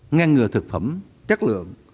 ngăn ngừa thực phẩm chất lượng